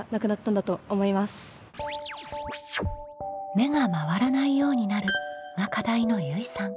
「目が回らないようになる」が課題のゆいさん。